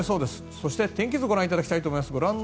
そして天気図をご覧いただきたいと思います。